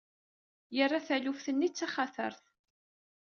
Yerra taluft-nni d taxatart.